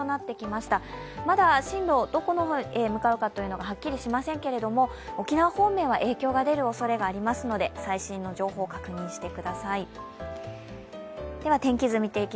まだ進路、どこに向かうかははっきりしませんけれども沖縄方面は影響が出るおそれがありますので最新の情報を確認してください。